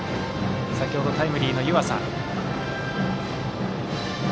先ほどタイムリーの湯浅。